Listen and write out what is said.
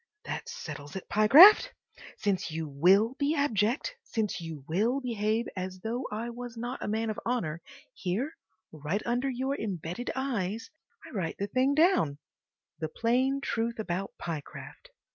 That settles it, Pyecraft! Since you WILL be abject, since you WILL behave as though I was not a man of honour, here, right under your embedded eyes, I write the thing down—the plain truth about Pyecraft.